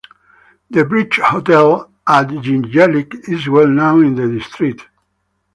The "Bridge Hotel" at Jingellic is well known in the district.